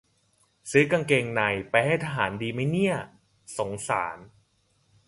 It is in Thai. ซื้อกางเกงในไปให้ทหารดีมั้ยเนี่ย สงสาร